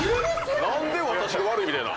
何で私が悪いみたいな。